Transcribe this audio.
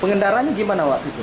pengendarannya gimana wak